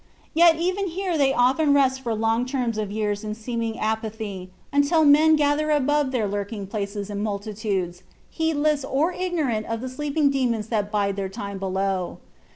Yet even here they often rest for long terms of years in seeming apathy, until men gather above their lurking places in multitudes, heedless or ignorant of the sleeping demons that bide their time below.